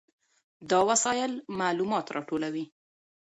دا وسایل معلومات راټولوي.